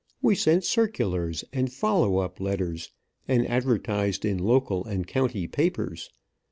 We sent circulars and "follow up" letters, and advertised in local and county papers.